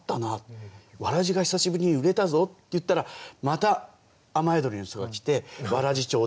わらじが久しぶりに売れたぞ」って言ったらまた雨宿りの人が来て「わらじ頂戴」。